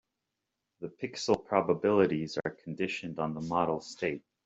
The pixel probabilities are conditioned on the model state.